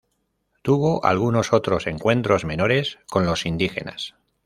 Tuvo algunos otros encuentros menores con los indígenas.